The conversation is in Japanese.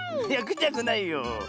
いやくちゃくないよ。